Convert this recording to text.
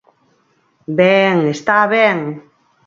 Ben, está ben.